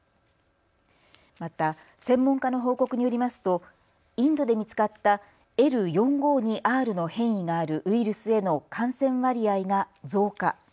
また専門家の報告によりますとインドで見つかったＬ４５２Ｒの変異があるウイルスへの感染割合が増加。